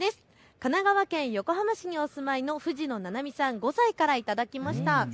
神奈川県横浜市にお住まいのふじのななみさん５歳から頂きました。